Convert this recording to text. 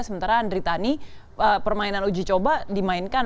sementara andri tani permainan uji coba dimainkan